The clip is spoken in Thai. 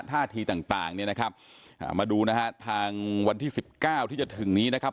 ท่าทีต่างเนี่ยนะครับมาดูนะฮะทางวันที่๑๙ที่จะถึงนี้นะครับ